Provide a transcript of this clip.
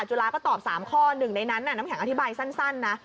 จุฬาก็ตอบ๓ข้อหนึ่งในนั้นน้ำแข็งอธิบายสั้นนะ